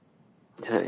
はい。